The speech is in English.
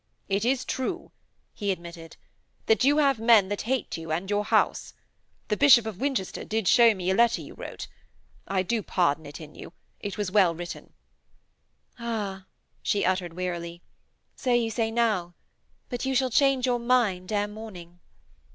'It is true,' he admitted, 'that you have men that hate you and your house. The Bishop of Winchester did show me a letter you wrote. I do pardon it in you. It was well written.' 'Ah,' she uttered wearily, 'so you say now. But you shall change your mind ere morning.'